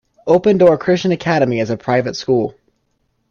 Open Door Christian Academy is a private school.